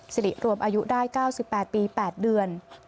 สิริรวมอายุได้๙๘ปี๘เดือน